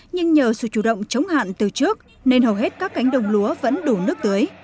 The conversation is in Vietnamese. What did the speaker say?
nhưng nhờ sự chủ động chống hạn từ trước nên hầu hết các cánh đồng lúa vẫn đủ nước tưới